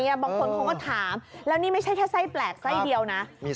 บางคนเขาก็ถามแล้วนี่ไม่ใช่แค่ไส้แปลกไส้เดียวนะ